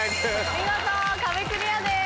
見事壁クリアです。